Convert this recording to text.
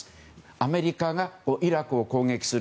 アメリカがイラクを攻撃する。